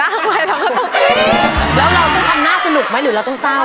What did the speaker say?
แล้วเราต้องทำหน้าสนุกหรือเราต้องเศร้า